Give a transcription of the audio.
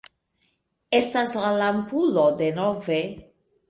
Estas la lampulo denove...